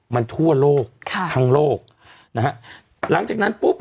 มันทั่วโลกค่ะทั้งโลกนะฮะหลังจากนั้นปุ๊บ